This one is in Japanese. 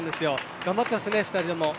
頑張っていますね２人とも。